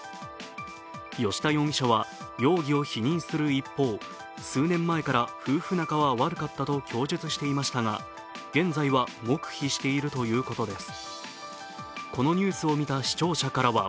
吉田容疑者は容疑を否認する一方数年前から夫婦仲は悪かったと供述していましたが現在は黙秘しているということです。